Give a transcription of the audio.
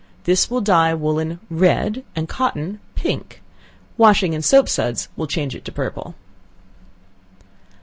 This will dye woolen red, and cotton pink. Washing in soap suds will change it to purple.